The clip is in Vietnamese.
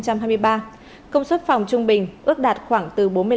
công suất phòng trung bình ước đạt khoảng từ bốn mươi năm